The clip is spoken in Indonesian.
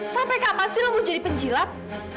sampai kapan sih lo mau jadi penjilat